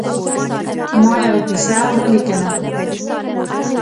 ما یوه کیسه ولیکله.